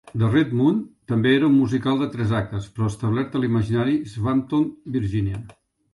"The Red Moon" també era un musical de tres actes, però establert a l'imaginari "Swamptown, Virginia".